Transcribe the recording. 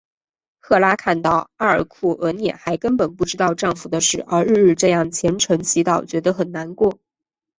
赫拉看到阿尔库俄涅还根本不知道丈夫的死而日日这样虔诚祈祷觉得很难过。